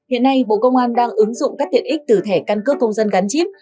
hiện nay bộ công an đang ứng dụng các tiện ích từ thẻ căn cước công dân gắn chip